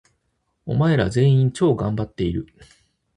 お前ら、全員、超がんばっている！！！